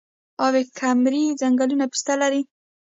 اب کمري ځنګلونه پسته لري؟